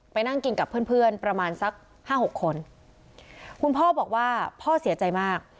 นั่งกินกับเพื่อนเพื่อนประมาณสักห้าหกคนคุณพ่อบอกว่าพ่อเสียใจมาก